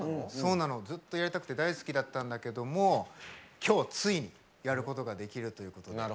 ずっとやりたくて大好きだったんだけども今日ついにやることができるということで。